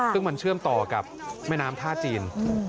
ซึ่งมันเชื่อมต่อกับแม่น้ำท่าจีน